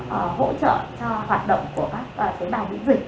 hỗ trợ cho hoạt động của các tế bào bị dịch